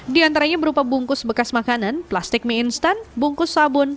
di antaranya berupa bungkus bekas makanan plastik mie instan bungkus sabun